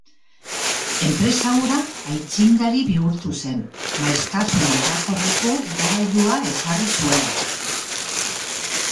Enpresa hura aitzindari bihurtu zen, maiztasun aldakorreko igogailua ezarri zuelako.